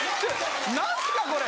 何ですか⁉これ。